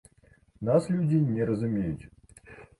Нас людзі не зразумеюць.